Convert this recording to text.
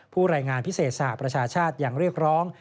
รายงานพิเศษสหประชาชาติยังเรียกร้อง